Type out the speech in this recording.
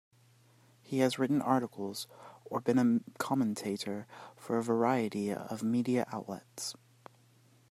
He has written articles or been a commentator for a variety of media outlets.